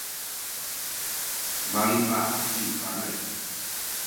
malipahak ci Panay.